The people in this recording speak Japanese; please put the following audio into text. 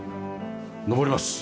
上ります。